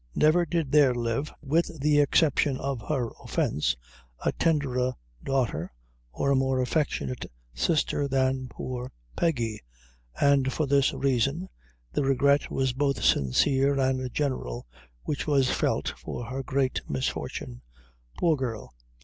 Never did there live with the exception of her offence a tenderer daughter, or a more affectionate sister than poor Peggy, and for this reason, the regret was both sincere and general, which was felt for her great misfortune. Poor girl!